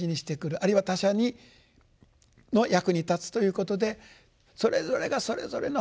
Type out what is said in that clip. あるいは他者の役に立つということでそれぞれがそれぞれの働き